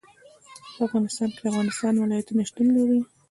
په افغانستان کې د افغانستان ولايتونه شتون لري.